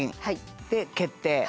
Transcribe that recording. で「決定」。